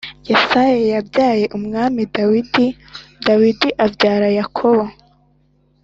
Yesaya yabyaye umwami dawidi ,dawidi abyara yakobo